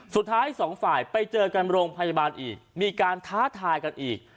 สุดท้ายสองฝ่ายไปเจอกันโรงพยาบาลอีกมีการท้าทายกันอีก